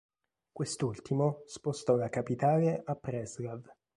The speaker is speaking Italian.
Quest'ultimo spostò la capitale a Preslav.